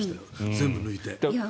全部、抜いて。